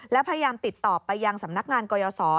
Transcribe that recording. และพยายามติดต่อไปยังสำนักงานกยศ